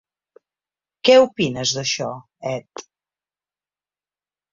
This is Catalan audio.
Què opines d'això, Ed?